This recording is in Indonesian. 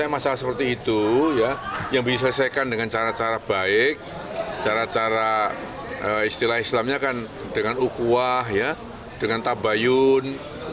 masalah seperti itu ya yang diselesaikan dengan cara cara baik cara cara istilah islamnya kan dengan ukuah ya dengan tabayun